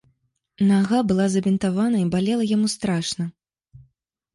Нага была забінтавана і балела яму страшна.